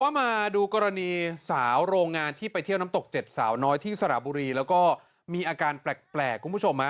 มาดูกรณีสาวโรงงานที่ไปเที่ยวน้ำตก๗สาวน้อยที่สระบุรีแล้วก็มีอาการแปลกคุณผู้ชม